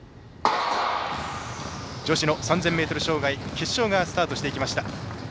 女子３０００ｍ障害、決勝がスタートしていきました。